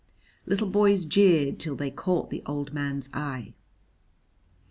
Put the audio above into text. Little boys jeered till they caught the old man's eye.